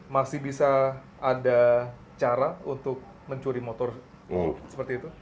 masih bisa ada cara untuk mencuri motor seperti itu